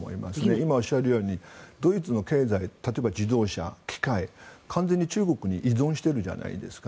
今おっしゃるようにドイツの経済例えば自動車、機械完全に中国に依存しているじゃないですか。